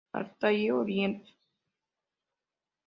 Altai Orient.